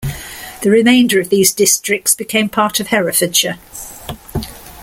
The remainder of these districts became part of Herefordshire.